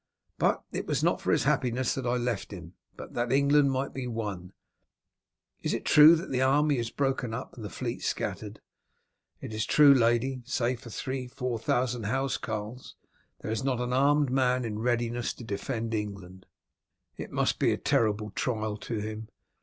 But it was not for his happiness that I left him, but that England might be one. Is it true that the army is broken up and the fleet scattered?" "It is true, lady. Save for three or four thousand housecarls, there is not an armed man in readiness to defend England." "It must be a terrible trial to him."